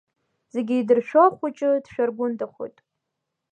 Зегьы идыршәо ахәыҷы дшәаргәындахоит.